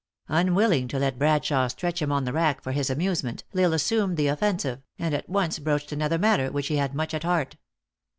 Unwilling to let Brad sh a we stretch him on the rack for his amusement, L Isle assumed the of fensive, and at once broached another matter which he had much at heart.